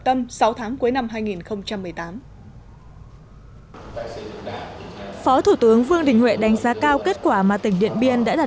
tâm sáu tháng cuối năm hai nghìn một mươi tám phó thủ tướng vương đình huệ đánh giá cao kết quả mà tỉnh điện biên đã đạt